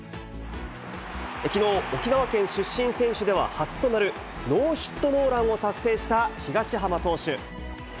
きのう、沖縄県出身選手では初となる、ノーヒットノーランを達成した、東浜投手。